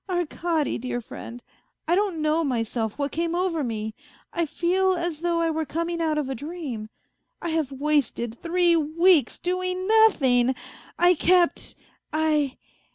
" Arkady, dear friend, I don't know myself what came over me. I feel as though I were coming out of a dream. I have wasted three weeks doing nothing. I kept ... I